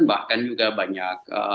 bahkan juga banyak